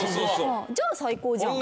じゃあ最高じゃん。